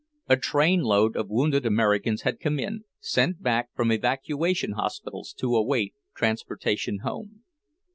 A train load of wounded Americans had come in, sent back from evacuation hospitals to await transportation home.